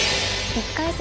１回戦